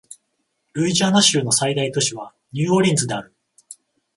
ルイジアナ州の最大都市はニューオーリンズである